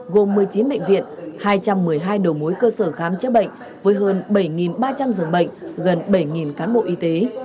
gồm một mươi chín bệnh viện hai trăm một mươi hai đầu mối cơ sở khám chữa bệnh với hơn bảy ba trăm linh dường bệnh gần bảy cán bộ y tế